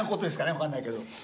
わかんないけど。